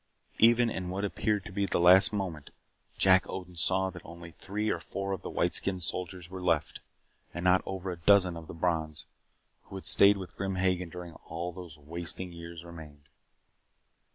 Even in what appeared to be the last moment, Jack Odin saw that only three or four of the white skinned soldiers were left; and not over a dozen of the Brons who had stayed with Grim Hagen during all those wasting years remained.